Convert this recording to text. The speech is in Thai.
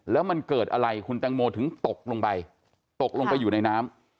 แล้วมันเกิดอะไรคุณแตงโมถึงตกลงไปตกลงไปอยู่ในน้ำ